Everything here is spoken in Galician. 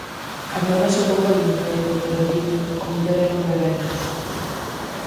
Cando o noso bocoi non pode conter o viño, o mellor é non bebermos.